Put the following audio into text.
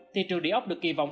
thị trường địa ốc được kỳ vọng